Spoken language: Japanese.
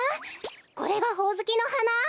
これがほおずきのはな？